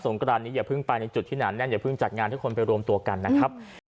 กรานนี้อย่าเพิ่งไปในจุดที่หนาแน่นอย่าเพิ่งจัดงานทุกคนไปรวมตัวกันนะครับ